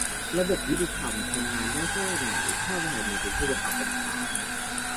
- ระบบยุติธรรมทำงานได้แค่ไหนถ้าฝ่ายหนึ่งเป็นผู้บังคับบัญชา